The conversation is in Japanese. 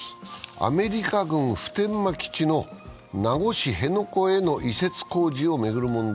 アメリカ軍普天間基地の名護市辺野古への移設工事を巡る問題。